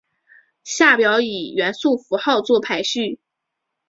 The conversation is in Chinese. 下表以元素符号作排序。